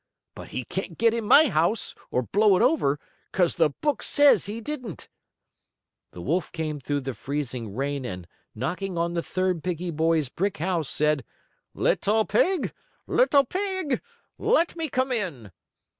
But he can't get in my house, or blow it over, 'cause the book says he didn't." The wolf came up through the freezing rain and knocking on the third piggie boy's brick house, said: "Little pig! Little pig! Let me come in!"